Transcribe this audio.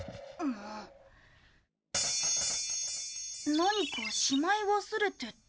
何かしまい忘れてった。